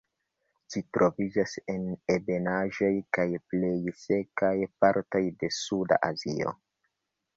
Ĝi troviĝas en ebenaĵoj kaj plej sekaj partoj de Suda Azio.